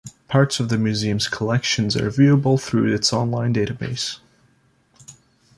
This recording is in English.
Parts of the museum's collections are viewable through its online database.